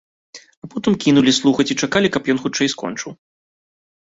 А потым кінулі слухаць і чакалі, каб ён хутчэй скончыў.